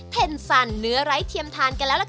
ใช้เนื้อต้มเนื้อครับ